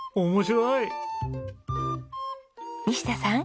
西田さん。